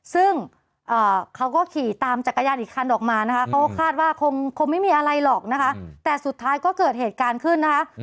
ซึ่งเขาก็ขี่ตามจักรยานอีกคันออกมานะคะเขาก็คาดว่าคงไม่มีอะไรหรอกนะคะแต่สุดท้ายก็เกิดเหตุการณ์ขึ้นนะคะ